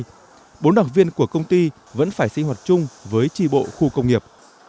tuy nhiên bốn đảng viên của công ty vẫn phải sĩ hoạt chung với tri bộ khu công nghiệp